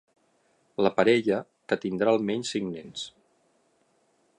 La parella, que tindrà almenys cinc nens.